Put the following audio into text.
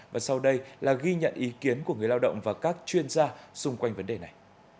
và sau đây là ghi nhận ý kiến của người lao động và các chuyên gia xung quanh vấn đề này